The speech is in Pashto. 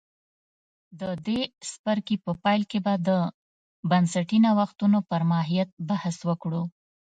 د دې څپرکي په پیل کې به د بنسټي نوښتونو پر ماهیت بحث وکړو